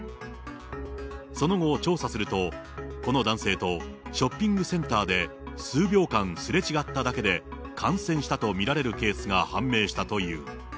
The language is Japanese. その後、調査すると、この男性とショッピングセンターで数秒間すれ違っただけで感染したと見られるケースが判明したという。